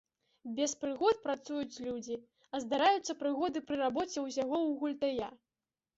Без прыгод працуюць людзі, а здараюцца прыгоды пры рабоце ўсяго ў гультая.